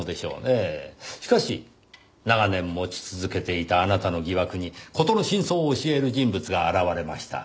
しかし長年持ち続けていたあなたの疑惑に事の真相を教える人物が現れました。